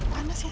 kok panas ya